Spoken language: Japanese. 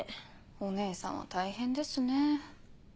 お姉さんは大変ですね。